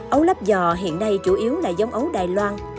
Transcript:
ấu lắp giò hiện nay chủ yếu là giống ấu đài loan